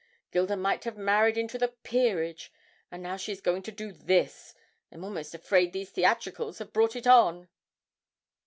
Gilda might have married into the peerage and now she is going to do this! I'm almost afraid these theatricals have brought it on.'